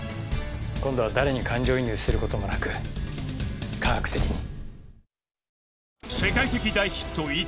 今度は誰に感情移入する事もなく科学的に。